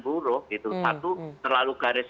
buruk gitu satu terlalu garis